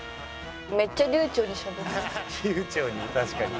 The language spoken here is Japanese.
めっちゃ流暢に。